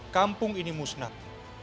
kampung ini musnah